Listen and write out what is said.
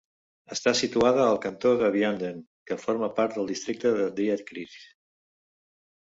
Està situada al cantó de Vianden, que forma part del districte de Diekirch.